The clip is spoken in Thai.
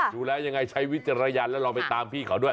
ดูแลยังไงใช้วิจารณญาณแล้วลองไปตามพี่เขาด้วย